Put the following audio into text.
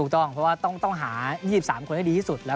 ต้องเพราะว่าต้องหา๒๓คนให้ดีที่สุด